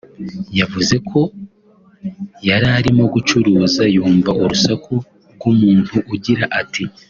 yavuze ko yararimo gucuruza yumva urusaku ry’umuntu ugira ati